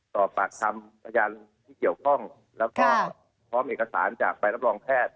สอบปากคำพยานที่เกี่ยวข้องแล้วก็พร้อมเอกสารจากใบรับรองแพทย์